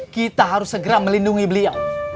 kita harus segera melindungi beliau